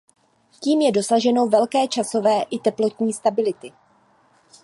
Tím je dosaženo velké časové i teplotní stability.